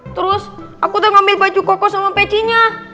terus aku udah ngambil baju koko sama pecinya